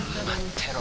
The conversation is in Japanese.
てろ